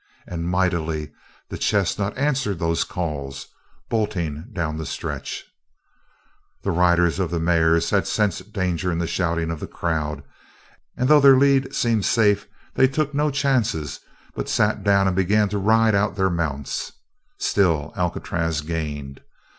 And mightily the chestnut answered those calls, bolting down the stretch. The riders of the mares had sensed danger in the shouting of the crowd, and though their lead seemed safe they took no chances but sat down and began to ride out their mounts. Still Alcatraz gained.